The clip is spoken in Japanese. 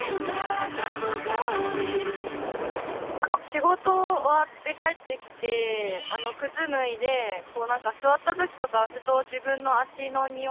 仕事終わって帰ってきて靴脱いで座った時とかふと。